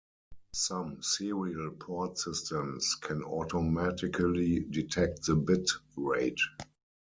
Some serial port systems can automatically detect the bit rate.